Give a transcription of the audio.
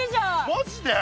マジで？